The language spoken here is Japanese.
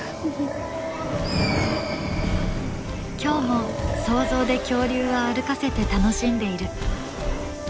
今日も想像で恐竜を歩かせて楽しんでいる。